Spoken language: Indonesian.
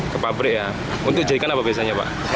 ke pabrik ya untuk dijadikan apa biasanya pak